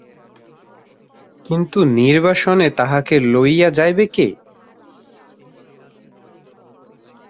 কিন্তু নির্বাসনে তাহাকে লইয়া যাইবে কে?